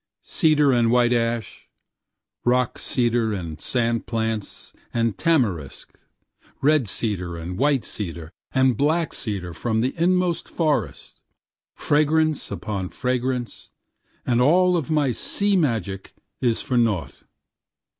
Cedar and white ash, rock cedar and sand plants and tamarisk red cedar and white cedar and black cedar from the inmost forest, fragrance upon fragrance and all of my sea magic is for nought.